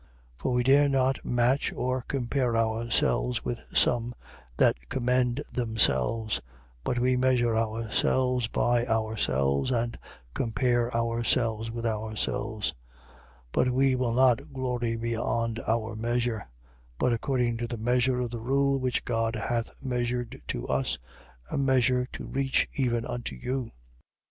For we dare not match or compare ourselves with some that commend themselves: but we measure ourselves by ourselves and compare ourselves with ourselves. 10:13. But we will not glory beyond our measure: but according to the measure of the rule which God hath measured to us, a measure to reach even unto you.